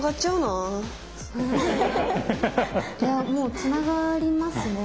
いやもうつながりますね。